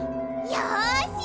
よし！